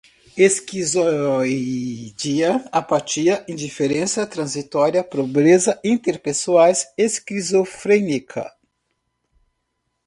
esquizoidia, apatia, indiferença, transitória, pobreza, interpessoais, esquizofrênica